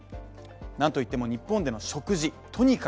なんといっても日本での食事。